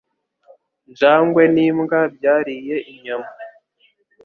njangwe n'imbwa byariye inyama